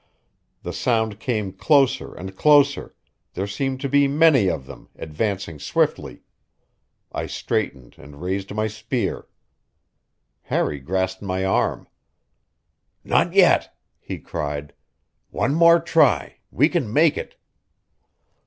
The sound came closer and closer; there seemed to be many of them, advancing swiftly. I straightened and raised my spear. Harry grasped my arm. "Not yet!" he cried. "One more try; we can make it."